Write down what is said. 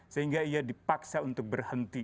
sehingga ia dipaksa untuk berhenti